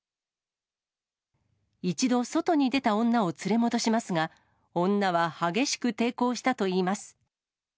一度、外に出た女を連れ戻しますが、女は激しく抵抗したといいます。